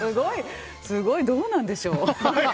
すごい、どうなんでしょう？